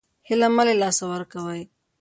هیله مه له لاسه ورکوئ